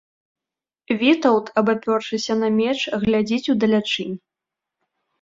Вітаўт, абапёршыся на меч, глядзіць удалячынь.